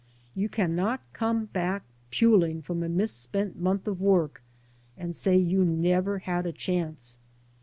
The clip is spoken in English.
You cannot come back puling from a mis spent month of work and say you never had a chance.